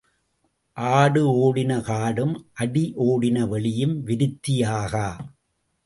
ஆடு ஓடின காடும் அடி ஓடின வெளியும் விருத்தி ஆகா.